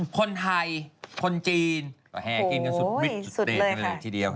คนไทยคนจีนก็แห่กินกันสุดมิดสุดเดนกันเลยทีเดียว